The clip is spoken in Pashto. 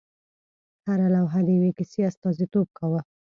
هره لوحه د یوې کیسې استازیتوب کاوه.